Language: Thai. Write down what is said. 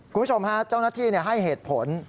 คุณผู้ชมฮะเจ้าหน้าที่ให้เหตุผล